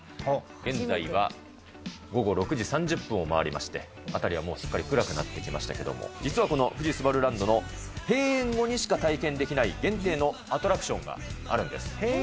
現在は午後６時３０分を回りまして、辺りはもうすっかり暗くなってまいりましたけれども、実はこの富士すばるランドの閉園後にしか体験できない、限定のアトラクションがあるんです。